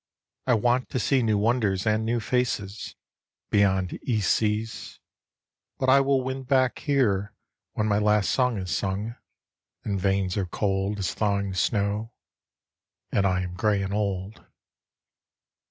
I want to see new wonders and new faces Beyond East seas ; but I will win back here When my last song is sung, and veins are cold As thawing snow, and I am grey and old.